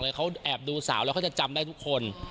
แต่เขาไม่รู้หรอก